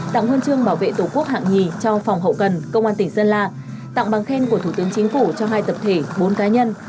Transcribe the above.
tặng huân chương bảo vệ tổ quốc hạng nhì cho phòng hậu cần công an tỉnh sơn la tặng bằng khen của thủ tướng chính phủ cho hai tập thể bốn cá nhân